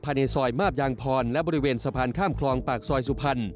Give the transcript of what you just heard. ภายในซอยมาบยางพรและบริเวณสะพานข้ามคลองปากซอยสุพรรณ